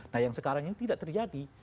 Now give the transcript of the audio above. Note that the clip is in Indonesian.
nah yang sekarang ini tidak terjadi